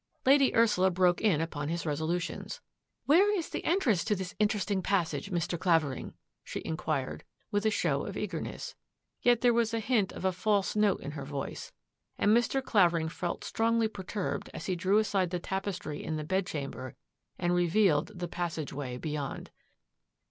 Lady Ursula broke in upon his resolutions. " Where is the entrance to this interesting pas sage, Mr. Clavering? " she inquired, with a show of eagerness. Yet there was a hint of a false note in her voice, and Mr. Clavering felt strongly perturbed as he drew aside the tapestry in the bedchamber and re vealed the passageway beyond.